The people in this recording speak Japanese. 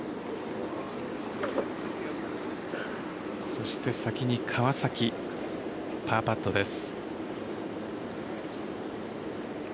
そして先に川崎パーパットです。